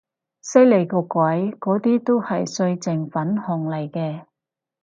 犀利個鬼，嗰啲都係歲靜粉紅嚟嘅